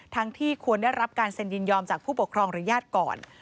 ที่ควรได้รับการเซ็นยินยอมจากผู้ปกครองหรือญาติก่อน